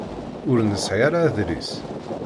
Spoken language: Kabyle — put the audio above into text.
Ur nesɛi ara adlis.